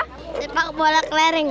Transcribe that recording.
sepak bola kelereng